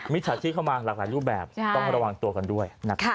มีร่วมรูปแบบต้องระวังตัวกันด้วย